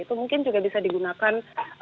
itu mungkin juga bisa digunakan